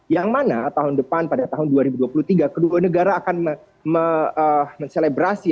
yang mana tahun depan pada tahun dua ribu dua puluh tiga kedua negara akan menselebrasi